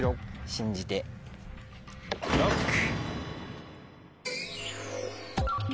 信じてＬＯＣＫ！